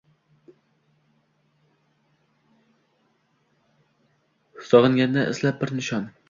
Sog’inganda izlab bir nishon